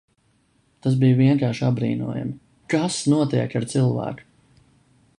Tas bija vienkārši apbrīnojami, kas notiek ar cilvēku.